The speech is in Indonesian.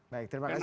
baik terima kasih